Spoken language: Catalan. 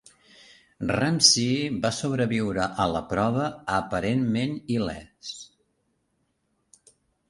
Ramsey va sobreviure a la prova aparentment il·lès.